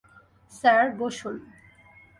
Sir, বসুন।